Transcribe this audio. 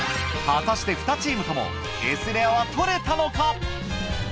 果たして２チームともＳレアは獲れたのか？